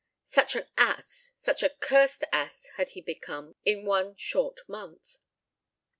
Such an ass, such a cursed ass had he become in one short month.